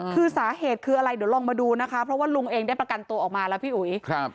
คือสาเหตุคืออะไรเดี๋ยวลองมาดูนะคะเพราะว่าลุงเองได้ประกันตัวออกมาแล้วพี่อุ๋ย